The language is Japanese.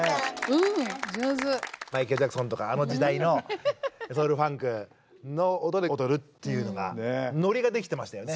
マイケル・ジャクソンとかあの時代のソウルファンクの音で踊るっていうのがノリができてましたよね